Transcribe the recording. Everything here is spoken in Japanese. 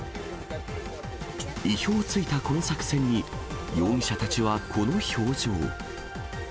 意表をついたこの作戦に、容疑者たちはこの表情。